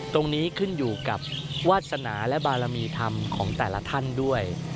ตรงนี้ขึ้นอยู่กับวาสนาและบารมีธรรมของแต่ละท่านด้วย